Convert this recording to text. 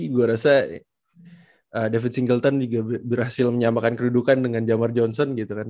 gue rasa david singleton juga berhasil menyamakan kedudukan dengan jamar johnson gitu kan